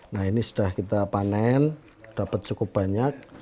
nah ini sudah kita panen dapat cukup banyak